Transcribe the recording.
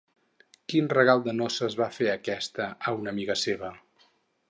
Quin regal de noces va fer aquesta a una amiga seva?